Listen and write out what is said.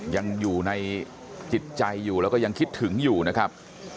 ยังอยู่ในจิตใจอยู่แล้วก็ยังคิดถึงอยู่นะครับ